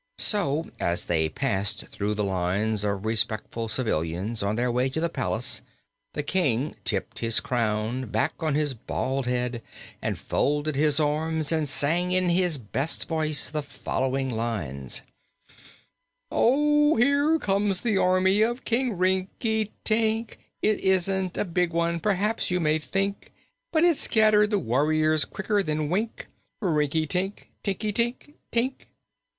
So, as they passed through the lines of respectful civilians on their way to the palace, the King tipped his crown back on his bald head and folded his arms and sang in his best voice the following lines: "Oh, here comes the army of King Rinkitink! It isn't a big one, perhaps you may think, But it scattered the warriors quicker than wink Rink i tink, tink i tink, tink!